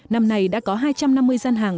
năm nay đã có hai trăm năm mươi gian hàng